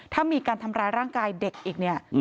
ถ้ามีการทำร้ายร่างกายเด็กอีกเนี่ย